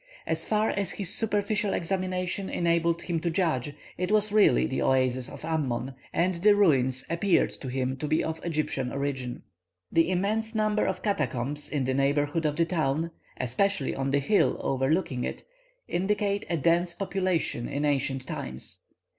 As far as his superficial examination enabled him to judge, it was really the oasis of Ammon, and the ruins appeared to him to be of Egyptian origin. The immense number of catacombs in the neighbourhood of the town, especially on the hill overlooking it, indicate a dense population in ancient times.